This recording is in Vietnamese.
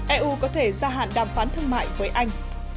eu có thể gia hạn đàm phán thương mại với anh